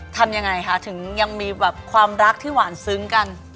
ทำยังไงคะถึงยังมีแบบความรักที่หวานซึ้งกัน